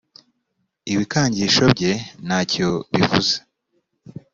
ibikangisho bye ntacyobivuze.